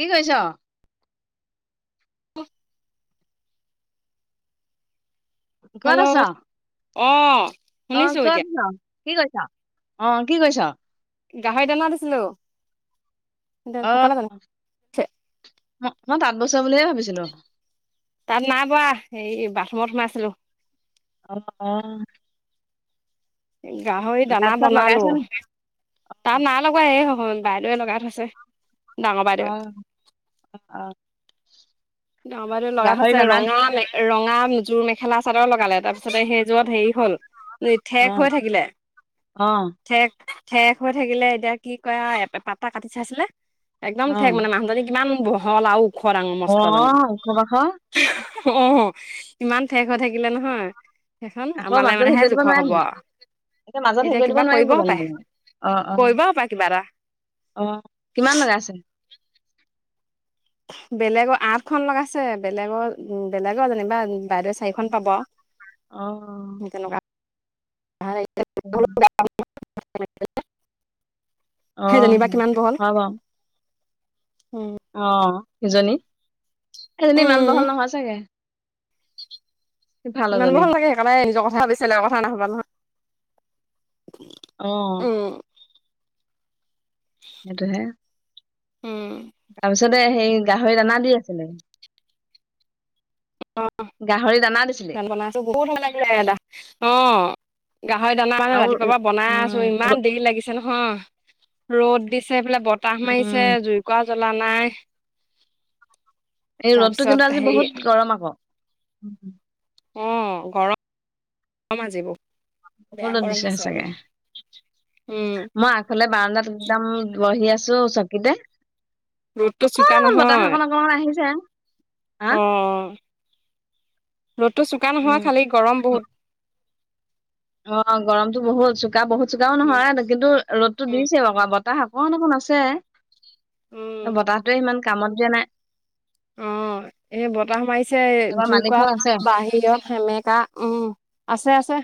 কি কৰিছ? [inaudible] ক'ত হেল্ল' আছ অ অ, শুনিছো ক'ত এতিয়া আছ? কি কৰিছ অ, কি কৰিছো? গাহৰি দানা দিছিলো। অ, শুকালে জানো ম মই তাত বুইছো বুলিহে ভাবিছিলো। তাত নাই বোৱা এই বাথৰুমত সোমাইছিলো। অ-অ। গাহৰি দানা চাত লগাইছ বনালো। নি? তাত নাই লগোৱা এই স বাইদেৱে লগাই থৈছে। ডাঙৰ বাইদেৱে অ-অ। ডাঙৰ বাইদেৱে লগাই আছে ৰঙাল ৰঙাযোৰ মেখেলা চাদৰ লগালে তাৰপিছতে সেইযোৰত হেৰি হল। অ ঠেক হৈ থাকিলে, অ ঠেক। ঠেক হৈ থাকিলে, এতিয়া কি কয় পাতা কাটি চাইছিলে, একদম অ ঠেক মানে মানুহজনী কিমান। বহল আৰু ওখ ডাঙৰ মস্ত। অ, ওখ পাখ। অ, ইমান ঠেক হৈ থাকিলে নহয়। সেইখন আকৌ আমালৈ মাজত হেৰি মানেহে কৰি দিব জোখৰ নোৱাৰে হব নি? আৰু। মাজত হেৰি এতিয়া কৰি দিব কিবা নোৱাৰিব কৰিব জানো হপায় তেনেকে? অ অ কৰিব হপায় কিবা এটা। অ, কিমান লগাইছে? বেলেগৰ আঠখন লগাইছে, বেলেগৰ উম, বেলেগৰ যেনিবা। বাইদেউ চাৰিখন পাব অ তেনেকুৱা। [inaudible] অ, সেই যেনিবা কিমান বহল হয় বাৰু। অ, সিজনী-সিজনী ইমান উম, বহল নহয় চাগে। ইমান সিফালৰজনী। বহল নাথাকে, একেবাৰে নিজৰ কথা ভাবিচিলে লোকৰ কথা নভবা নহয়। অ', উম, সেইটোহে। উম। তাৰপিছতে সেই গাহৰি দানা দি আছিলে। অ' গাহৰি দিছিলে দানা বনাইছোঁ, বহুত সময় লাগিলে, দা অ'। গাহৰি দানা মানে আৰু ৰাতিপুৱাৰ পৰা বনাই আছোঁ, উম ইমান দেৰি লাগিছে নহয় ৰ'দ দিছে। এইফালে বতাহ মাৰিছে, উম জুইকুৰা জ্বলা নাই। এই ৰ'দটো তাৰপিছত কিন্তু আজি হেৰি বহুত গৰম আকৌ। অ', গৰম গৰম আজি বহুত। বেয়া [unintelligible] গৰম দিছে হৈছে আজি সঁচাকে, উম মই আগফালে বাৰন্দাত একদম বহি আছো চকিতে। ৰ'দটো অকন চোকা অকন বতাহ অকন অকমান আহিছে। হা উম। ৰ'দটো চোকা নহয়, উম খালি গৰম বহুত। অ গৰমটো বহুত চোকা বহুত চোকাও উম নহয় কিন্তু ৰ'দতো উম দিছে। বতাহ অকণ অকণ আছে। উম বতাহটোৱে ইমান কাম দিয়া নাই। অ এ বতাহ মাৰিছে, তাৰপৰা মালিক জুইকুৰা ঘৰত আছে বাহিৰত সেমেকা, উম আছে আছে।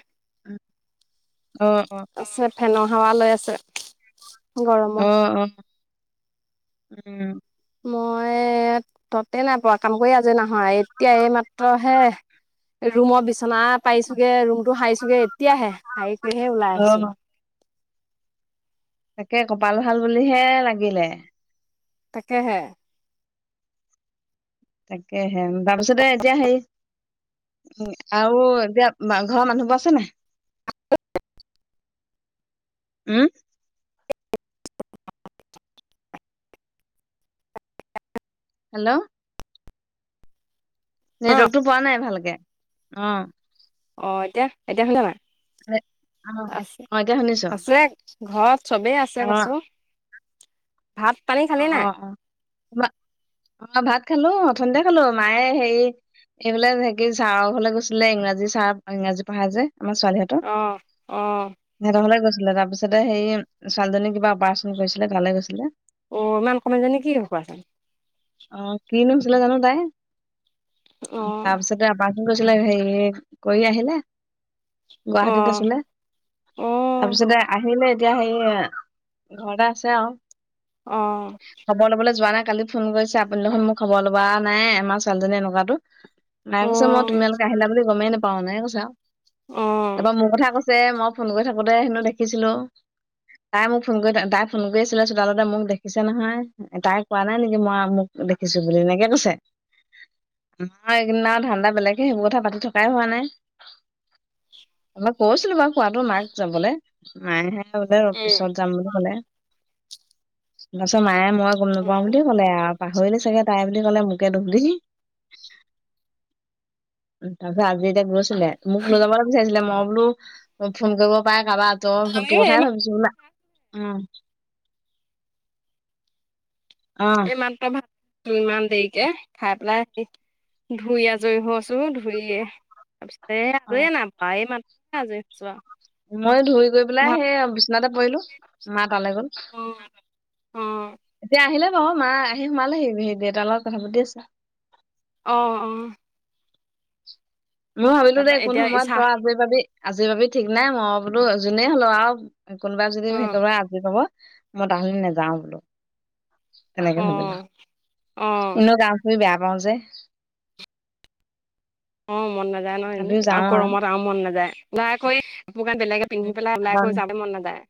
অ অ। আছে ফেনৰ হাৱা লৈ আছে। অ গৰমত অ, উম। মই ততে নাইপোৱা, কাম কৰি আজৰি নহয়, এতিয়া এই মাত্ৰ হে ৰুমত বিচ বিচনা পাৰিছো গে, ৰুমটো সাৰি গে এতিয়াহে সাৰি কিনেহে ওলাই আহিছো অ', আৰু তাকে, কপাল ভাল বুলিহে লাগিলে। তোকে হে। তাকেহে, তাৰপিছতে এতিয়া হেই উ আৰু এতিয়া ঘৰৰ মানুহবোৰ আছে নে নাই? উম? হেল্ল'! অ' নেটৱৰ্কতটো পোৱা নাই ভালকে। অ অ, এতিয়া এতিয়া খালেনে নাই? অ', আছে, অ', এতিয়া শুনিছ আছে ঘৰত চবেই আছে অ', কৈছোঁ। অ অ অ অ ভাত খালো অথনিতে খালো। মায়ে হেৰি এইফালে যে ছাৰৰ ঘৰলে গৈছিলে, ইংৰাজী ছাৰ ইংৰাজী পঢ়া যে আমাৰ ছোৱালীহঁতৰ, অ অ সিহঁতৰ ফালে গৈছে। তাৰপিছতে সেই ছোৱালীজনী কিবা অপাৰচন কৰিছিলে ভালে গৈছিলে। অ ইমান কমাই যানে কি কোৱা? অ কিনো হৈছিলে জানো তাই। অ তাৰপিছতে আবাৰ কৰিছিলে হেৰি কৰি আহিলে। অ গুৱাহাটীত আছিলে, অ তাৰপিছতে আহিলে। এতিয়া ঘৰতে আছে আৰু অ খবৰ লবলৈ যোৱা নাই? কালি ফোন কৰিছে আপুনি দেখোন মোক খবৰ লবলৈ অহা নাই। আমাৰ ছোৱালীজনী এনেকুৱাতো। তাই অ অ কৈছে, মই তোমালোকে আহিলা বুলি গমেই নাপাও, হেনেকে কৈছা আৰু। এবাৰ মোৰ কথা কৈছে। যে মই ফোন কৰি থাকোতে হেনো দেখিছিলোঁ। তাই মোক ফোন কৰি তাই ফোন কৰি আছিলে, চোতালতে মোক দেখিছে নহয়, তাই কোৱা নাই নেকি? মই মোক দেখিছো বুলি, এনেকে কৈছে। ম এইকেইদিন আৰু ধান্দা বেলেগে, সেইবোৰ কথা পাতি থকাই হোৱা নাই। ত মই কৈছিলো বাৰু খোৱাতটো মাক যাবলৈ, মায়েহে দে উম পিছত যাম বুলি কলে, পিছত মায়ে মই গম অ নাপাওঁ বুলি ক'লে, আৰু পাহৰিলে চাগে তাই বুলি ক'লে মোকে দোষ দিলি। তাৰপা আমি এতিয়া মোক লৈ যাবলৈ বিচাৰিছিলে, মই বোলো ফোন কৰিব পাই খাবা ত তোৰ আমিও কথাই এইমাত্ৰ ভাবিছো বোলা। উম [inaudible] অ এই মাত্ৰ ভাত, ইমান দেৰিকে খাই পেলাই আহি ধুই আজৰি হৈছো। ধুইয়ে এ আজৰিয়ে নাপায়, এই মাত্ৰ আজৰি হৈছোঁ। মই ধুই গৈ পেলাই সেই বিচনাতে পৰিলো মা ঘৰলে গ'ল। অ অ এতিয়া আহিলে বাৰু, মা আহি সোমালেহি সেই দেউতাৰ লগত কথা পাতি আছে। অ', অ'। মই ভাবিলো তাৰপা তই কোন এতিয়া সময়ত বা চাহ আজৰি পাবি। আজি ভাবি ঠিক নাই মই বোলো যোনেই হ'লেও আৰু কোনোবা যদি অ সেইকৰিব আজৰি পাব মই তা নেযাও বোলো, তেনেকে ভাবিলো অ', অ', এনেও গাটোই বেয়া। নোৱাও যে অ', মন নাযায় নহয় এনে, তথাপিও আৰু যাওঁ গৰমত আৰু মন নাযায় ওলাই কৰি কাপোৰ কান বেলেগে পিন্ধি পেলাই ওলাই কৰি কাৰণ- যাব মন না নাযায়।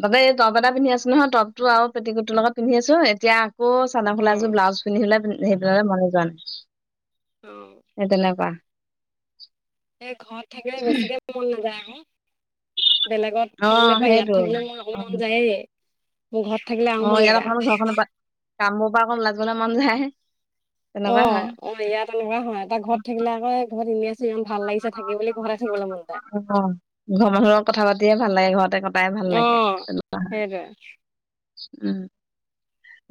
তাতে এই টপ এটা পিন্ধি আছো নহয় টপ টো আৰু পেটিকোট ৰ লগত পিন্ধি আছো এতিয়া আকৌ চাদৰ মেখেলা এযোৰ উম। ব্লাউজ পিন্ধিবলে সেই পিন্ধিবলে মনে যোৱা নাই। অ', এ তেনেকুৱা। এ ঘৰত থাকিলে বেছিকে মন নাযায় আৰু। বেলেগত অ থাকিলে বা ইয়াত সেইটোৱে থাকিলে মোৰ অ অকমান মন যায়ে। অ ইয়াত অকমান ঘৰখনৰ পৰা, কামবোৰ পৰা অকমান ওলাই যাবলে মন যায়। অ, তেনেকুৱা হয় অ' ইয়াত তেনেকুৱা হয় তাত ঘৰত থাকিলে আকৌ ঘৰত এনে আ যিমান ভাল লাগিছে অ থাকি বুলি ঘৰতে থাকিবলৈ মন যায়। ঘৰৰ মানুহৰ লগত কথা পাতিয়ে ভাল লাগে ঘৰতে কটাই ভাল অ, লাগে সেইটোৱে। উম।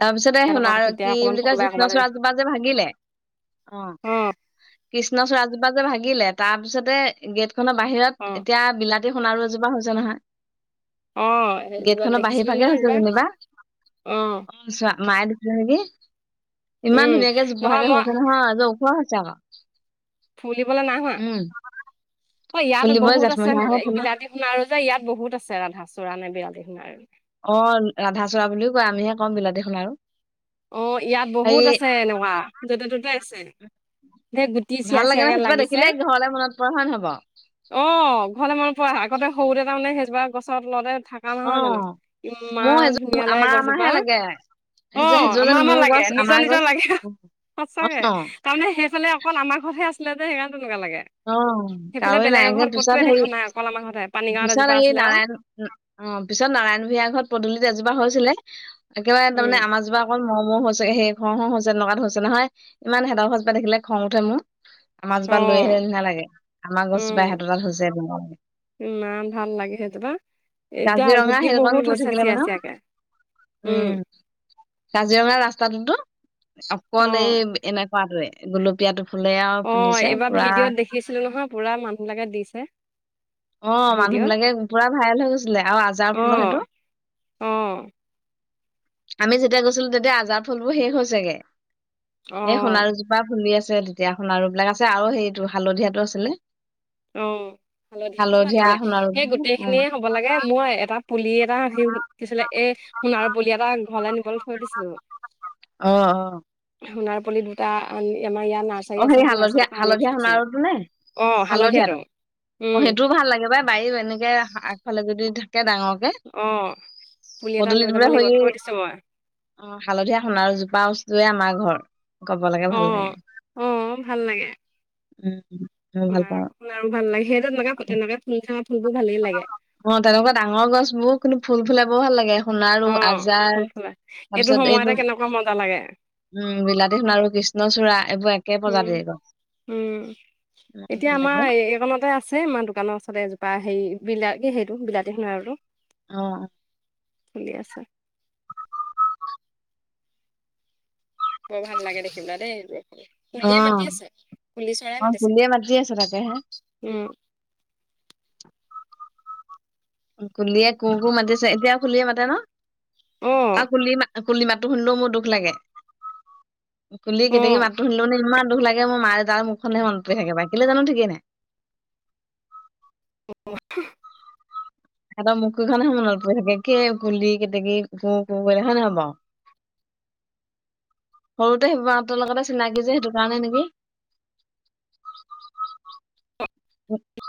তাৰ পিছতে তাত আকৌ শুনাৰ কেতিয়া কি অকমান বুলি কয় কোনোবাই ক'ৰবালে কৃষ্ণচূৰাজোপা যে ভাগিলে, অ', কৃষ্ণচূৰাজপা যে ভাগিলে তাৰ পিছতে গেট খনৰ বাহিৰত অ', এতিয়া বিলাত তি শুনাৰু এজোপা হৈছে নহয়। অ, সে গেট ত খনৰ দেখিছিলো [unintelligible] নহয়। এইবাৰ, অ', মায়ে দেখিছিল নিকি। ইমান উম, ধুনীয়াকে নহয় জোপহাকে মই হৈছে নহয়, ওখ হৈছে আক। ফুলিবলৈ নাই হোৱা। অ' ইয়াত ফুলিবই বহুত আছে জেঠমহীয়াহে ফুলে বিলাতী সোণাৰো যে ইয়াত বহুত আছে ৰাধা চূ়ৰানে বিলাতী সোণাৰো। অ, ৰাধাচূড়া বুলিও কয় আমিহে কও বিলতিসোনাৰু। অ, ইয়াত বহুত আছে এনেকুৱা য'তে ত'তে আছে। ধেৰ গুটি চিয়া ভাল লাগে ন চিয়াকে সেইজোপা লাগিছে। দেখিলে ঘৰলে মনত পৰে হয় নহয় বাৰু? অ, ঘৰলে মনত পৰে হয়। আগতে সৰুতে তাৰমানে সেইজোপা গছত তলতে থাকা নহয় জানো, অ', মোৰ ইমান সেইজোপা ধুনীয়া লাগে আমাৰ গছজোপা। আমাৰহে লাগে অ, সেইজোপা সেইজোপা আমাৰ জানো আমাৰ মোৰ লাগে গছ নিজৰ আমাৰ নিজৰ গছ লাগে সচাকে তাৰমানে সেইফালে অকল আমাৰ ঘৰতহে আছিলে যে সেইয়া তেনেকুৱা লাগে। অ, সেইফালে কাৱৈ বেলেগ নাৰে এঘৰত ক'তোৱে পিছত হে দেখা নাই অকল আমাৰ ঘৰতহে পানীগাঁৱত পিছত এজোপা আহি আছিলে আৰু নাৰায়ণ অ' পিছত নাৰায়ণ ভূঞাৰ ঘৰত পদূলিত এজোপা হৈছিলে, একেবাৰে উম তাৰমানে আমাৰজোপা অকণ হম হম হৈছে সেই হম হম হৈছে এনেকুৱাত হৈছে নহয় ইমান হেহঁতৰ গছজোপা দেখিলে খং উঠে মোৰ। মাছ অ বান লৈহে আমাৰ গছজোপা উম সেহতৰ তাত হৈছে ব ইমান ভাল লাগে সেইজোপা এতিয়া কাজিৰঙা গুটি শেলকণ বহুত গৈ হৈছে থাকিলে চিয়া মানে চিয়াকে উম, কাজিৰঙা ৰাস্তাটো অ অকল এই এনেকুৱাতোয়ে গোলপীয়াটো ফুলে আৰু অ ফুলিছে এইবাৰ পুৰা ভিডিঅ'ত দেখিছিলো নহয় পুৰা মানুহবিলাকে দিছে অ, মানুহ ভিডিঅ' বিলাকে পুৰা ভাইৰেল হৈ গৈছিলে আৰু আজাৰ অ ফুলৰ সেইটো অ আমি যেতিয়া গৈছিলো তেতিয়া আজাৰ ফুলবোৰ শেষ হল চাগে। অ এই সোণাৰুজোপা ফুলি আছে তেতিয়া সোণাৰু বিলাক আছে আৰু সেৰিটো হালধীয়াটো আছিলে। অ হালধীয়াাতটোও ভাল হালধীয়া লাগে সোণাৰু সেই গোটেই উম খিনিয়ে হ'ব লাগে মই এটা। পুলি এটা সি কিছিলে এ সোণাৰ পুলি এটা ঘৰলে নিবলৈ থৈ দিছিলো। অঁ, অঁ। সোণাৰ পুলি দুটা আমাৰ ইয়াত নাৰ্চাৰী আছে নে হালধীয়া নাৰ্চাৰীৰ পৰা আনি হালধীয়া থৈছিলো সোণাৰুটো নে অ হালধীয়াটো অ উম সেইটোও ভাল লাগে বাই বায়ী এনেকে আগফালে যদি কে ডাঙকে অ পুলি এটা পদূলি লৈ যাব বোৰে হৈ লাগিব থৈ দিছো মই অ হালধীয়া সোণাৰ জোপা [unintelligible] আমাৰ ঘৰ কব লেকে অ ভাল লাগে অ ভাল লাগে উম মই ভাল সুনাৰো পাওঁ সুনাৰো ভাল লাগে সেই তেনেকুৱা তেনেক [unintelligible] অ তেনেকুৱা ডাঙৰ গছ বোৰ কিন্তু ফুল ফুল ব ভাল লাগে সোণাৰু, অ আজাৰ ফুল ফুলা তাৰপিছত সময়তে এইটো কেনেকুৱা মজা লাগে উম বিলাতী সুনাৰু কৃষ্ণচূড়া এইবোৰ একে উম প্ৰজাতিৰ গছ উম ইমান এতিয়া ভাল আমাৰ লাগে এই এইকণতে আছে আমাৰ দোকানৰ ওচৰতে এজোপা হেৰি বিলাগে সেইটো বিলতি সোনাৰু আৰু টো অ ফুলি আছে বৰ ভাল লাগে দেখিবলে দেই সেইটো অ চৰাই অ মাতিছে কুলিয়ে মাতি আছে তাকে হে উম [inaudible] কুলিয়ে কো কো মাতি আছে এতিয়া খুলিয়ে মাতে ন অ আও কুলি মা কুলি মাতটো শুনেও মোৰ দুখ লাগে কুলি অ কেতেকী মাতো শুনিলে মানে ইমান দুখ লাগে মই মায় তাৰ মুখ খনলেহে মনত পৰি থাকে বা কেলে জানো ঠিকেই নাই [unintelligible] হেঁতৰ মুখকেইখন মনত পৰি থাকে কি কুলি কেতেকি কুকু কু কৰিলে হয় নাই বাও। সৰুতে সেই আঁতৰ লগতে চিনাকি যে সেইটো কাৰণে নেকি? [unintelligible]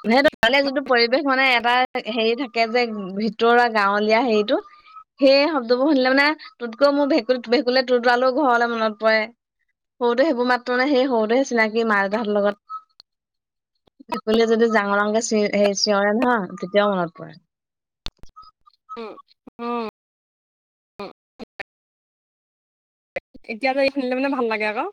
সে যিটো পৰিৱেশ মানে। এটা হেৰি থাকে যে ভিতৰুৱা গাঁৱলীয়া হেৰিতটো। সেই শব্দবোৰ শুনিলে মানে তোৰতকৈ মোৰ ভেঁকুী ভেঁকুললে তোৰতৰালোও ঘৰলৈ মনত পৰে। সৰুটো সেইবোৰ মাত্ৰ নাই সেই সৰুটোহে চিনাকি মা দেউৰ লগত। সপুলীয়ে যদি জাঙৰাংকে চিঞ স চিঞৰে নহয় তেতিয়াও মনত পৰে। উম উম উ। এতিয়াাত এই খুিনিলে মানে ভাল লাগে আকৌ।